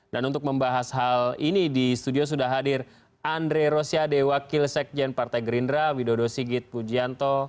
dan untuk membahas hal ini di studio sudah hadir andre rosyadewa kilsekjen partai gerindra widodo sigit pujianto